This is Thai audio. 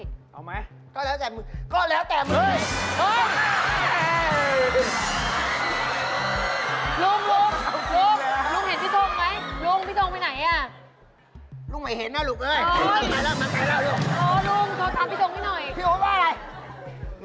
อย่างนั้นผมเอาตามคุณมะงึกแล้วกัน